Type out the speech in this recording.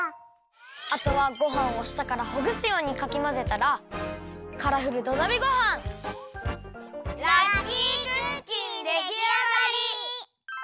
あとはごはんをしたからほぐすようにかきまぜたらラッキークッキンできあがり！